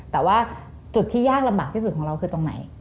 แต่ว่าจุดที่ยากลำบากที่สุดของเราคือตรงไหน